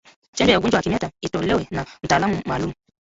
Chanjo ya ugonjwa wa kimeta itolewe na mtaalamu maalumu